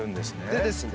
でですね